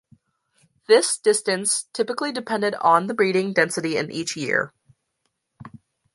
This distance typically depended on the breeding density in each year.